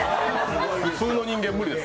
普通の人間、無理です。